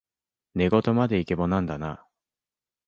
寝言までイケボなんだな